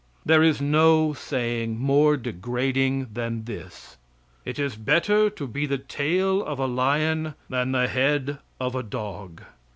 There is no saying more degrading than this: "It is better to be the tail of a lion than the head of a dog."